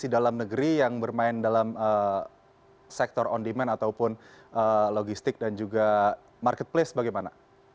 dalam negeri yang bermain dalam sektor on demand ataupun logistik dan juga marketplace bagaimana